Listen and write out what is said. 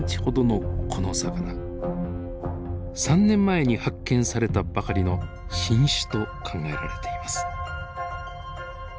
３年前に発見されたばかりの新種と考えられています。